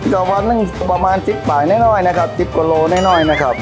ก็วันนึงประมาณจิบป่ายน้อยน้อยนะครับจิบกว่าโลน้อยน้อยนะครับ